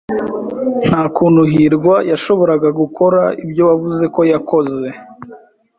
Nta kuntu hirwa yashoboraga gukora ibyo wavuze ko yakoze.